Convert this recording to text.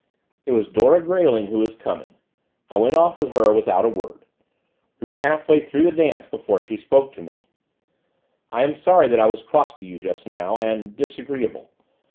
It was Dora Grayling who was coming, I went off with her without a word, we were half way through the dance before she spoke to me. 'I am sorry that I was cross to you just now, and disagreeable.